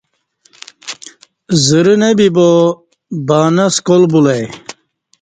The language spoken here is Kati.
زرہ نہ بِبا بانہ سکال بُلہ ای